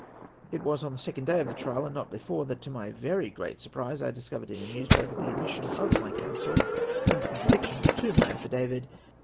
It was on the second day of the trial, and not before, that, to my very great surprise, I dis covered in a newspaper the admission of my counsel in con tradiction to my affidavit.